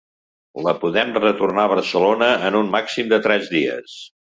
La podem retornar a Barcelona en un màxim de tres dies.